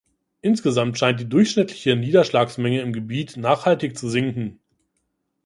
Insgesamt scheint die durchschnittliche Niederschlagsmenge im Gebiet nachhaltig zu sinken.